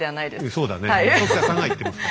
そうだね。